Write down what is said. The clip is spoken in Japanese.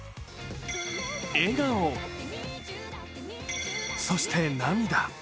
笑顔、そして涙。